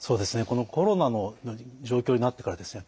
このコロナの状況になってからですね